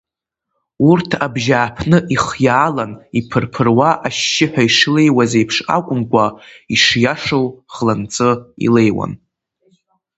Урҭ абжьааԥны ихиаалан иԥыр-ԥыруа ашьшьыҳәа ишлеиуаз еиԥш акәымкәа, ишиашоу хланҵы илеиуан.